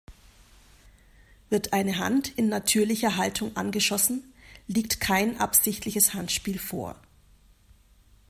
Wird eine Hand in natürlicher Haltung angeschossen, liegt kein absichtliches Handspiel vor.